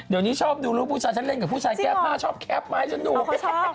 เดี๋ยวยังชอบดูลุ่มผู้ชายฉันเล่นกับผู้ชายเกล้าป้าชอบแคบไหมสนุก